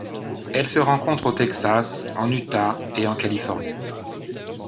Elle se rencontre au Texas, en Utah et en Californie.